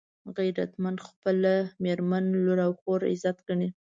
غیرتمند خپله مېرمنه، لور او خور عزت ګڼي